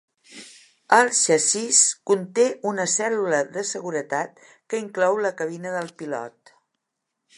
El xassís conté una cèl·lula de seguretat que inclou la cabina del pilot.